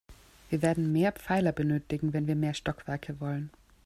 Wir werden mehr Pfeiler benötigen, wenn wir mehr Stockwerke wollen.